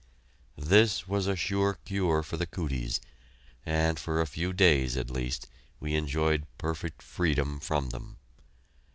This was a sure cure for the "cooties," and for a few days, at least, we enjoyed perfect freedom from them.